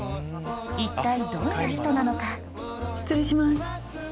一体どんな人なのか失礼します。